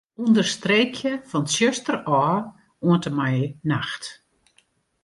Understreekje fan 'tsjuster' ôf oant en mei 'nacht'.